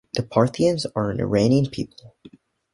The Parthians are an Iranian people.